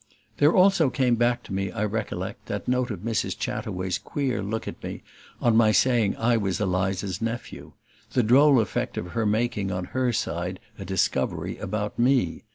There also came back to me, I recollect, that note of Mrs. Chataway's queer look at me on my saying I was Eliza's nephew the droll effect of her making on her side a discovery about ME.